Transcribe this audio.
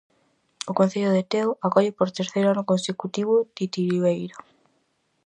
O Concello de Teo acolle por terceiro ano consecutivo Titiriberia.